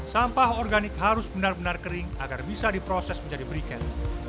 sampah organik harus benar benar kering agar bisa diproses menjadi briket